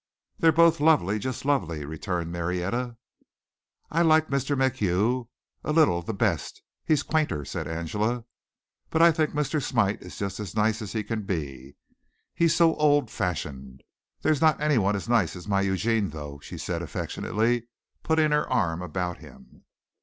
"They're both lovely just lovely," returned Marietta. "I like Mr. MacHugh a little the best he's quainter," said Angela, "but I think Mr. Smite is just as nice as he can be. He's so old fashioned. There's not anyone as nice as my Eugene, though," she said affectionately, putting her arm about him.